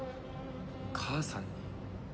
母さんに？